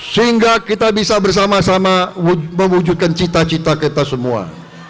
sehingga kita bisa bersama sama mewujudkan cita cita kita semua